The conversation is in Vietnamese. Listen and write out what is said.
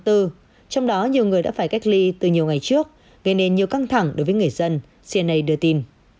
trong đó nhiều người đã phải cách ly từ nhiều ngày trước gây nên nhiều căng thẳng đối với người dân cni đưa tin